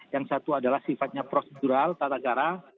yang satu adalah sifatnya prosedural tata cara